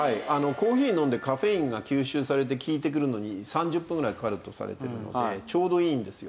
コーヒー飲んでカフェインが吸収されて効いてくるのに３０分ぐらいかかるとされているのでちょうどいいんですよ。